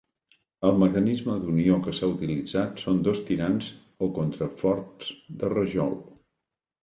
El mecanisme d'unió que s'ha utilitzat són dos tirants o contraforts de rajol.